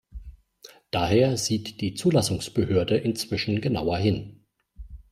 Daher sieht die Zulassungsbehörde inzwischen genauer hin.